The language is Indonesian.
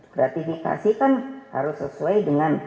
gratifikasi kan harus sesuai dengan